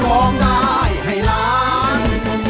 ร้องได้ให้ล้าน